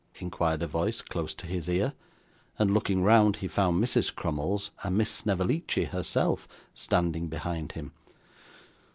inquired a voice close to his ear; and, looking round, he found Mrs. Crummles and Miss Snevellicci herself standing behind him.